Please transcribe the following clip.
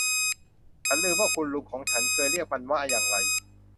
ฉันลืมว่าคุณลุงของฉันเคยเรียกมันว่าอย่างไร